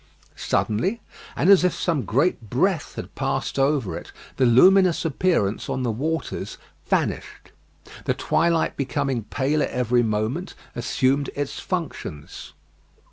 Suddenly, and as if some great breath had passed over it, the luminous appearance on the waters vanished. The twilight becoming paler every moment, assumed its functions.